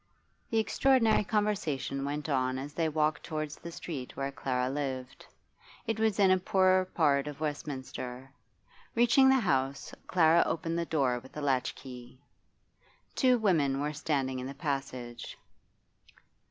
The extraordinary conversation went on as they walked towards the street where Clara lived. It was in a poor part of Westminster. Reaching the house, Clara opened the door with a latchkey. Two women were standing in the passage.